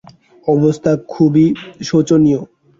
অবস্থা খুবই শোচনীয়।